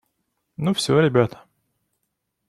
Ну все, ребята?